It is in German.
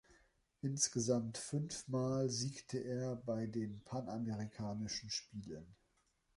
Insgesamt fünfmal siegte er bei den Panamerikanischen Spielen.